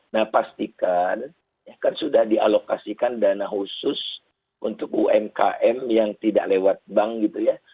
nah pastikan ya kan sudah dialokasikan dana khusus untuk umkm yang tidak lewat bank gitu ya